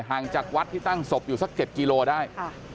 จากวัดที่ตั้งศพอยู่สัก๗กิโลได้